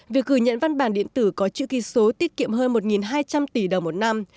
việc gửi nhận văn bản điện tử có chữ ký số tiết kiệm hơn một hai trăm linh tỷ đồng một năm